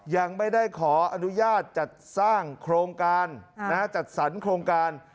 ยังไม่ได้ขออนุญาตจัดสร้างโครงการจัดสรรโครงการ